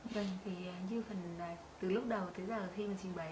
vâng thì như phần từ lúc đầu tới giờ khi mà trình bày